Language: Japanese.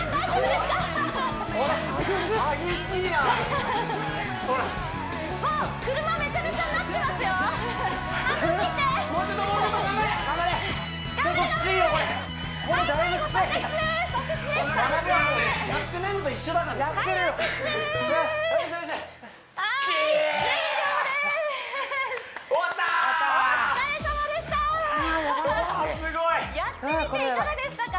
すごいやってみていかがでしたか？